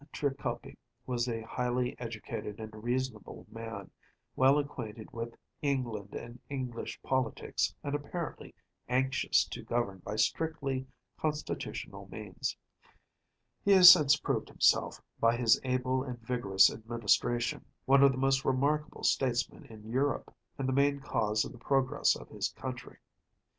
Trikoupi was a highly educated and reasonable man, well acquainted with England and English politics, and apparently anxious to govern by strictly constitutional means. He has since proved himself, by his able and vigorous administration, one of the most remarkable statesmen in Europe, and the main cause of the progress of his country.